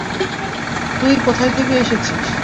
তুই কোথায় থেকে এসেছিস?